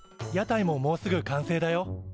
屋台ももうすぐ完成だよ。